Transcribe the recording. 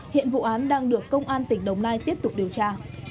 hiện vụ án đang được công an tỉnh đồng nai tiếp tục điều tra